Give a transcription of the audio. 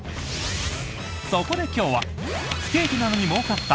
そこで今日は不景気なのに儲かった！